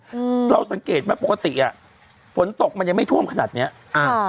อืมเราสังเกตไหมปกติอ่ะฝนตกมันยังไม่ท่วมขนาดเนี้ยอ่า